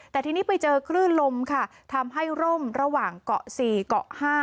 แต่ทีนี้ไปเจอคลื่นลมค่ะทำให้ร่มระหว่างเกาะ๔เกาะ๕